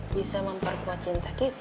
bisa memperkuat cinta kita